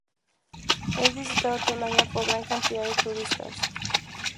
Es visitado todo el año por gran cantidad de turistas.